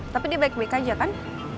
tapi dia baik baik aja kan